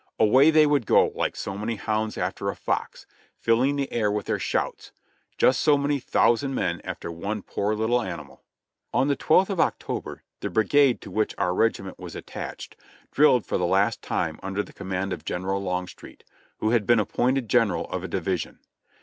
Away they would go like so many hounds after a fox, filling the air with their shouts — just so many thousand men after one poor little animal. On the 1 2th of October the brigade to which our regiment was attached drilled for the last time under the command of Gen eral Longstreet, who had been appointed general of a division.